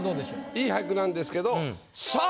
良い俳句なんですけど「さぁ！